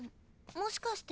もしかして。